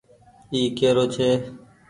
اي ڪيرو ڇي۔